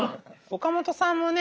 岡本さんもね